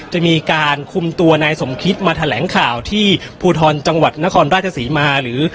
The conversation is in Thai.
จะมีการคุมตัวนายสมคิตมาแถลงข่าวที่ภูทรจังหวัดนครราชศรีมาหรือ